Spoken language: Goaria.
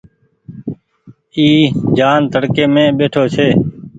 اي جآن تڙڪي مين ٻيٺو ڇي۔